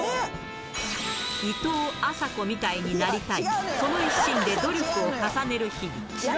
いとうあさこみたいになりたい、その一心で努力を重ねる日々。